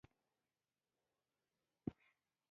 دا ناسته د تجربو د تبادلې لپاره یو مهم پلټ فارم وو.